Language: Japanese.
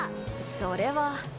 それは。